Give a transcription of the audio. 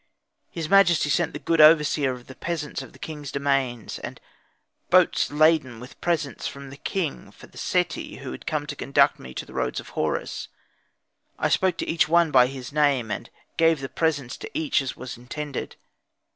His majesty sent the good overseer of the peasants of the king's domains, and boats laden with presents from the king for the Sati who had come to conduct me to the roads of Horus. I spoke to each one by his name, and I gave the presents to each as was intended.